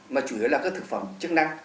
mà chủ yếu là các thực phẩm chức năng